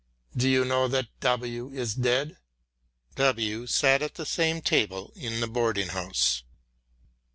"Do you know that W. is dead?" (W. sat at the same table in the boarding house.)